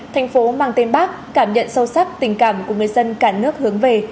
thành phố mang tên bác cảm nhận sâu sắc tình cảm của người dân cả nước hướng về